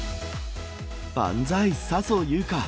万歳、笹生優花。